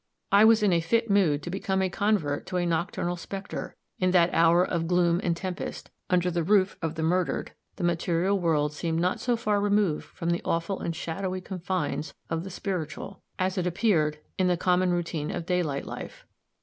I was in a fit mood to become a convert to a nocturnal specter in that hour of gloom and tempest, under the roof of the murdered, the material world seemed not so far removed from the awful and shadowy confines of the spiritual, as it appeared in the common routine of daylight life.